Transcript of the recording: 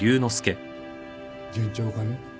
順調かね？